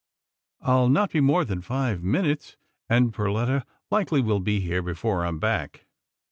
I'll not be more than five minutes, and Per letta'll likely be here, before I'm back."